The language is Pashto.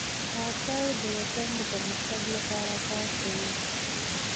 کاکړي د وطن د پرمختګ لپاره کار کوي.